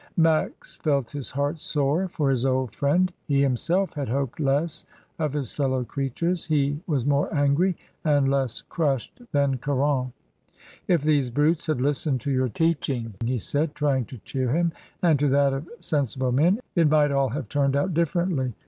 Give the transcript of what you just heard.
Max felt his heart sore for his old friend. He Airs, Dymond, IL 1 8 274 ^^^S. DYMOND. himself had hoped less of his fellow creatures; he was more angry and less crushed than Caron. "If these brutes had listened to your teaching," he said, trying to cheer him, "and to that of sen sible men, it might have all turned out differently.